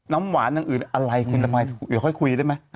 น้ำหวานหรืออย่างอื่นขึ้นอะไรกูอย่าค่อยคุยได้ไหม